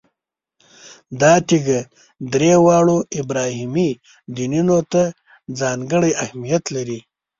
دا تیږه درې واړو ابراهیمي دینونو ته ځانګړی اهمیت لري.